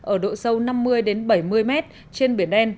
ở độ sâu năm mươi bảy mươi mét trên biển đen